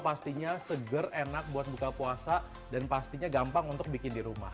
pastinya seger enak buat buka puasa dan pastinya gampang untuk bikin di rumah